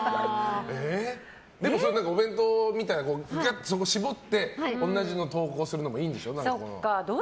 でもお弁当みたいなのに絞って同じの投稿するのもいいんでしょ。